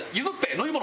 飲み物。